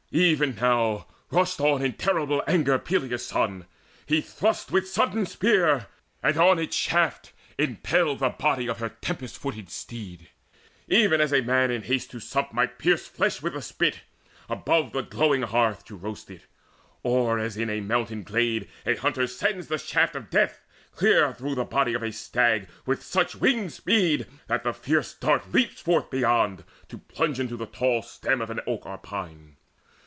Even now rushed on In terrible anger Peleus' son: he thrust With sudden spear, and on its shaft impaled The body of her tempest footed steed, Even as a man in haste to sup might pierce Flesh with the spit, above the glowing hearth To roast it, or as in a mountain glade A hunter sends the shaft of death clear through The body of a stag with such winged speed That the fierce dart leaps forth beyond, to plunge Into the tall stem of an oak or pine.